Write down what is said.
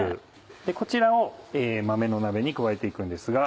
こちらを豆の鍋に加えて行くんですが。